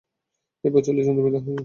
এভাবে চল্লিশ দিন অতিবাহিত হয়।